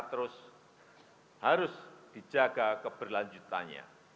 terus harus dijaga keberlanjutannya